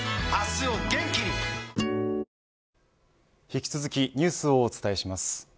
引き続きニュースをお伝えします。